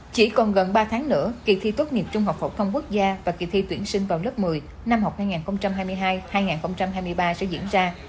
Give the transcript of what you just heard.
chỉ còn gần ba tháng nữa kỳ thi tốt nghiệp trung học phổ thông quốc gia và kỳ thi tuyển sinh vào lớp một mươi năm học hai nghìn hai mươi hai hai nghìn hai mươi ba sẽ diễn ra